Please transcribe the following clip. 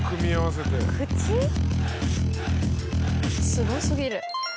・すご過ぎる。